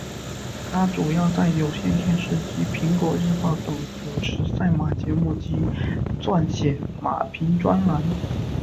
她主要在有线电视及苹果日报等主持赛马节目及撰写马评专栏。